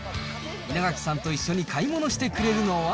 稲垣さんと一緒に買い物してくれるのは。